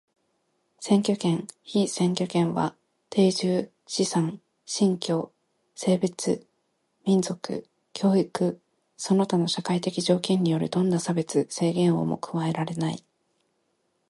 選挙権、被選挙権は定住、資産、信教、性別、民族、教育その他の社会的条件によるどんな差別、制限をも加えられない。